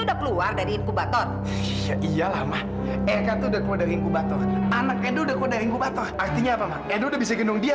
edo udah bisa gendong dia